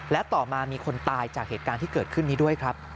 และต่อมามีคนตายจากเหตุการณ์ที่เกิดขึ้นนี้ด้วยครับ